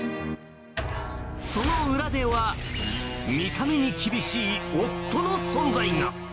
その裏では、見た目に厳しい夫の存在が。